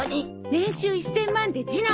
年収１０００万で次男。